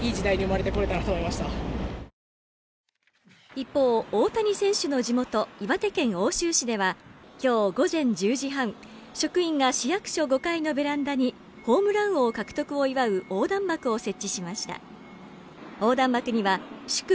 一方、大谷選手の地元、岩手県奥州市では、今日午前１０時半、職員が市役所５階のベランダにホームラン王獲得を祝う横断幕を設置しました。